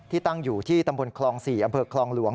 ตั้งอยู่ที่ตำบลคลอง๔อำเภอคลองหลวง